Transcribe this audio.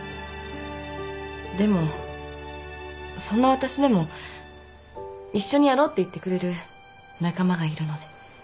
でもそんなわたしでも一緒にやろうって言ってくれる仲間がいるので。